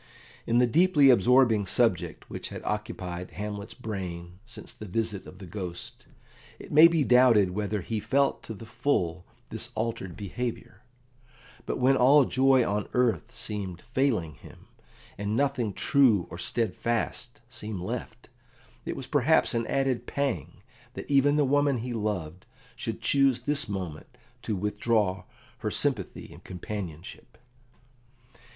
In the deeply absorbing subject which had occupied Hamlet's brain since the visit of the Ghost, it may be doubted whether he felt to the full this altered behaviour; but when all joy on earth seemed failing him, and nothing true or steadfast seemed left, it was perhaps an added pang that even the woman he loved should choose this moment to withdraw her sympathy and companionship.